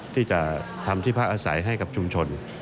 ที่จะทำที่พักอาศัยให้กับชุมชน